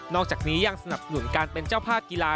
อกจากนี้ยังสนับสนุนการเป็นเจ้าภาพกีฬา